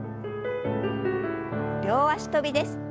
両脚跳びです。